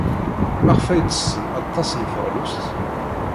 Maɣef ay ttessen aṭas n teɣlust?